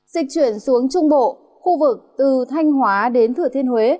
dịch chuyển xuống trung bộ khu vực từ thanh hóa đến thừa thiên huế